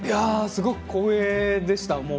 すごく光栄でした。